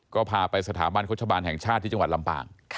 ก็พาไปสถาบันโฆษบาลแห่งชาติที่จังหวัดลำปาง